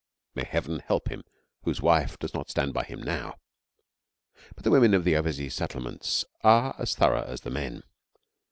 May heaven help him whose wife does not stand by him now! But the women of the Overseas settlements are as thorough as the men.